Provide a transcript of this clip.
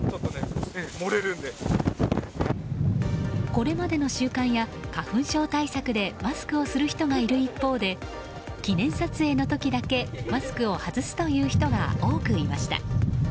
これまでの習慣や花粉症対策でマスクをする人がいる一方で記念撮影の時だけ、マスクを外すという人が多くいました。